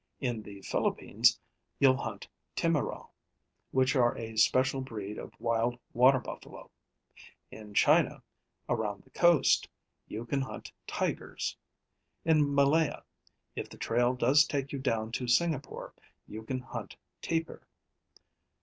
In the Philippines, you'll hunt timarau, which are a special breed of wild water buffalo. In China, around the coast, you can hunt tigers. In Malaya, if the trail does take you down to Singapore, you can hunt tapir.